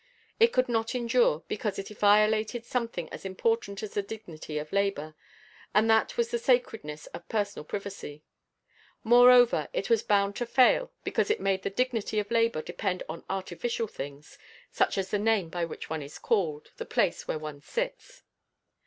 It could not endure, because it violated something as important as the dignity of labor, and that was the sacredness of personal privacy. Moreover, it was bound to fail because it made the dignity of labor depend on artificial things such as the name by which one is called, the place where one sits.